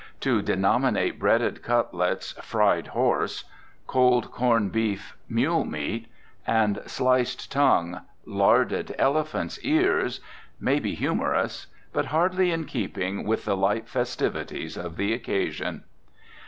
To denominate breaded cutlets "fried horse," cold corned beef "mule meat," and sliced tongue "larded elephants' ears," may be humorous, but hardly in keeping with the light festivities of the occasion.